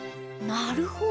なるほど。